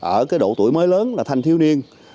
ở cái độ tuổi mới lớn là thanh thiếu niên